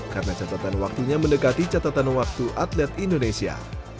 karena catatan waktunya mendekati catatan waktu atlet indonesia